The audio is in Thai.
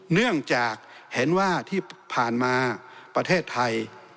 เนื่องจากเห็นว่าที่ผ่านมาประเทศไทย